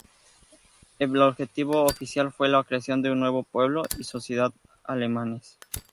El objetivo oficial fue la creación de un nuevo pueblo y sociedad alemanes.